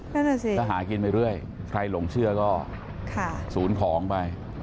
ถ้าหากินไปเรื่อยใครหลงเชื่อก็ศูนย์ของไป